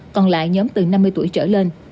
còn lại nhóm từ năm mươi tuổi trở lên